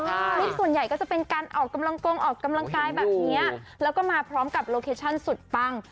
คลิปส่วนใหญ่ก็จะเป็นการออกกำลังกงออกกำลังกายแบบเนี้ยแล้วก็มาพร้อมกับโลเคชั่นสุดปัง